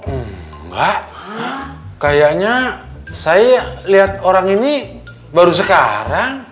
enggak kayaknya saya lihat orang ini baru sekarang